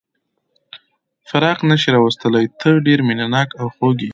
فراق نه شي راوستلای، ته ډېر مینه ناک او خوږ یې.